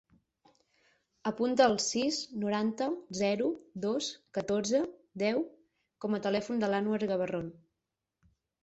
Apunta el sis, noranta, zero, dos, catorze, deu com a telèfon de l'Anwar Gabarron.